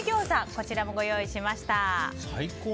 こちらもご用意しました。